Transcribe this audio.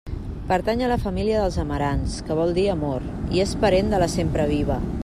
Pertany a la família dels amarants, que vol dir amor, i és parent de la sempreviva.